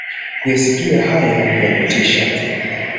kuyasikia haya ya kutisha